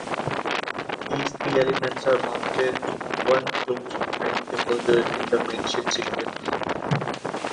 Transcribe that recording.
These three elements are mounted one close behind the other in the mentioned sequence.